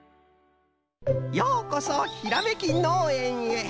ようこそひらめきのうえんへ。